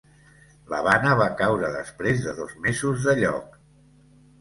L'Havana va caure després de dos mesos de lloc.